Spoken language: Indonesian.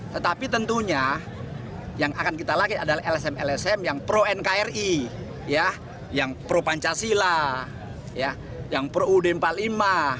tetapi tentunya yang akan kita laki adalah lsm lsm yang pro nkri yang pro pancasila